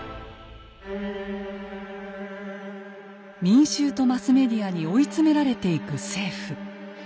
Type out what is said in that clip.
民衆とマスメディアに追い詰められてゆく政府。